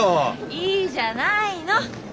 いいじゃないの。